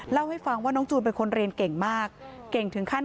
เล่าให้ฟังว่าน้องจูนเป็นคนเรียนเก่งมากเก่งถึงขั้น